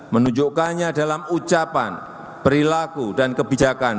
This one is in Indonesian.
menunjukkannya dalam ucapan perilaku dan kebijakan